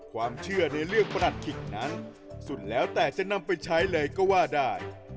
ความเชื่อในเรื่องประหลัดขิกนั้นสุดแล้วแต่จะนำไปใช้เลยก็ว่าได้